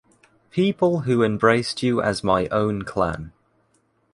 people who embraced you as my own clan